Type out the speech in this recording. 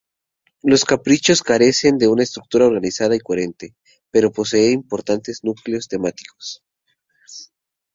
Los Caprichos carecen de una estructura organizada y coherente, pero posee importantes núcleos temáticos.